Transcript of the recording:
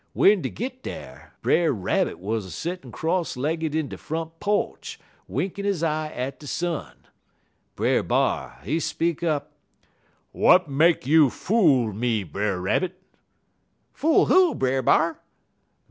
W'en dey git dar, Brer Rabbit wuz a settin' cross legged in de front po'ch winkin' he eye at de sun. Brer B'ar, he speak up: "'W'at make you fool me, Brer Rabbit?' "'Fool who, Brer B'ar?'